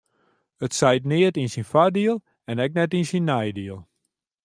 It seit neat yn syn foardiel en ek net yn syn neidiel.